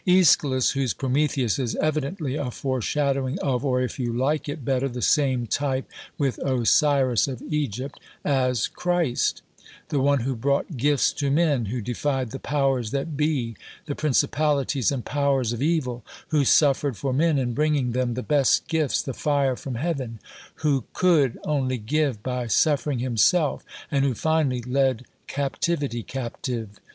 Aeschylus, whose Prometheus is evidently a foreshadowing of, or, if you like it better, the same type (with Osiris of Egypt) as, Christ: the one who brought "gifts to men," who defied "the powers that be" (the "principalities" and "powers" of evil), who suffered for men in bringing them the "best gifts" (the "fire from heaven"), who could only give by suffering himself, and who finally "led captivity captive."